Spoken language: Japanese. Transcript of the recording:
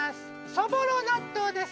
そぼろ納豆です